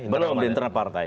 belum di internal partai